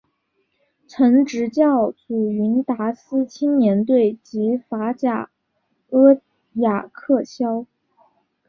曾执教祖云达斯青年队及法甲阿雅克肖。